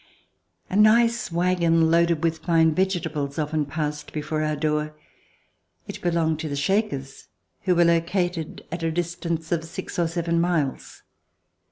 A nice wagon, loaded with fine vegetables, often passed before our door. It belonged to the Shakers, COUNTRY LIFE who were located at a distance of six or seven miles.